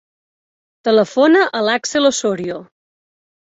Telefona a l'Axel Ossorio.